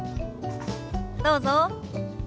どうぞ。